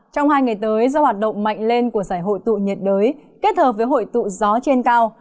trong hai ngày tới do hoạt động mạnh lên của giải hội tụ nhiệt đới kết hợp với hội tụ gió trên cao